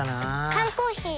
缶コーヒー